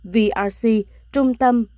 vrc trung tâm